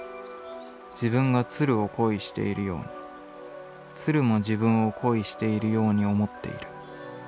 自分が鶴を恋しているように鶴も自分を恋しているように思っている。